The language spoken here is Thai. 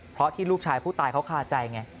เพราะที่ลูกชายผู้ตายเขาคาใจไง